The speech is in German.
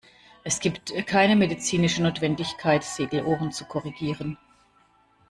Es gibt keine medizinische Notwendigkeit, Segelohren zu korrigieren.